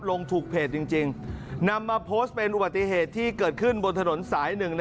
ลงถูกเพจจริงจริงนำมาโพสต์เป็นอุบัติเหตุที่เกิดขึ้นบนถนนสายหนึ่งนะครับ